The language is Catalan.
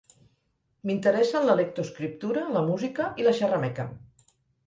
M'interessen la lectoescriptura, la música i la xerrameca.